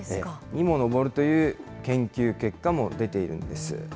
にも上るという研究結果も出ているんです。